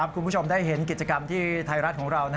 คุณผู้ชมได้เห็นกิจกรรมที่ไทยรัฐของเรา